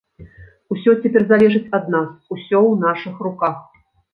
Усё цяпер залежыць ад нас, усё ў нашых руках.